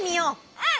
うん！